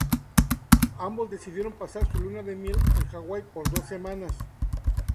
Ambos decidieron pasar su luna de miel en Hawaii por dos semanas.